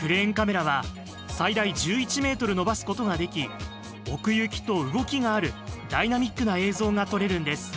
クレーンカメラは最大１１ｍ伸ばすことができ奥行きと動きがあるダイナミックな映像が撮れるんです。